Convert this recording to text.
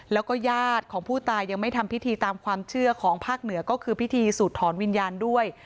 แล้วก็ญาติของผู้ตายยังไม่ทำพิธีตามความเชื่อของภาคเหนือก็คือพิธีสูดถอนวิญญาณด้วย